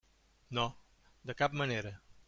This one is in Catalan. No, de cap manera.